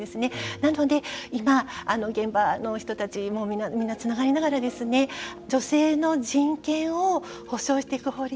なので、今現場の人たちもみんな、つながりながら女性の人権を保障していく法律